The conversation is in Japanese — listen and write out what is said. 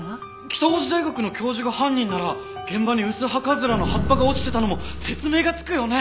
北大路大学の教授が犯人なら現場にウスハカズラの葉っぱが落ちてたのも説明がつくよね！